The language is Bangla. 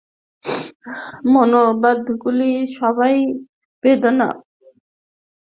মতবাদগুলি সবই বেদান্তের অন্তর্গত এবং বেদান্তের সাহায্যে ব্যাখ্যাত।